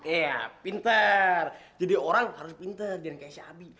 iya pinter jadi orang harus pinter dan kayak syabi